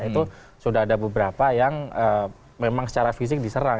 itu sudah ada beberapa yang memang secara fisik diserang